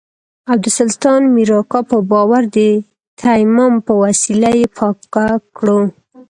او د سلطان مير اکا په باور د تيمم په وسيله يې پاکه کړو.